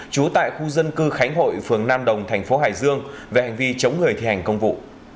chú tại khu dân cư khánh hội phường nam đồng tp hải dương về hành vi chống người thi hành công vụ